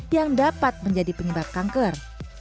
yang dapat menjadi penyebab kanker